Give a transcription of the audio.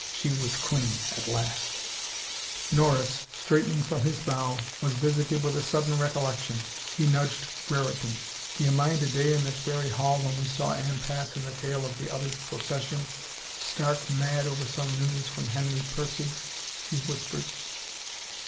She was queen at last ! Norris, straightening from his bow, was visited with a sudden recollection. He nudged Brereton. " D'ye mind a day in this very hall when we saw Anne pass in the tail of the other's procession, stark mad over some news from Henry Percy ?" he whispered.